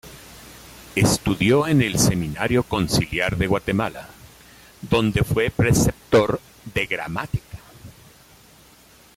Estudió en el Seminario Conciliar de Guatemala, donde fue preceptor de gramática.